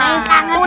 kau bisa mulut